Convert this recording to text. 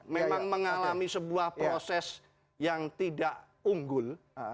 memang mengalami sebuah proses yang tidak unggul